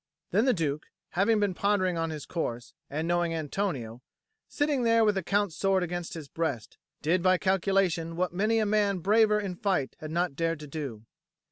Then the Duke, having been pondering on his course, and knowing Antonio sitting there with the Count's sword against his breast did by calculation what many a man braver in fight had not dared to do.